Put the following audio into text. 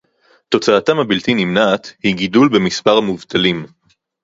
תוצאתם הבלתי-נמנעת היא גידול במספר המובטלים